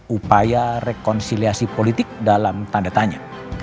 upaya rekonsiliasi politik dalam tanda tanya